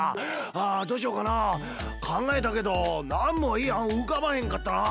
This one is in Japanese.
あどうしようかなあ？かんがえたけどなんもいいあんうかばへんかったな。